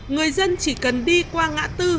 người dân chỉ cần đi qua ngã tư